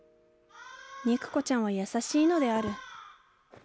肉子ちゃんは優しいのである。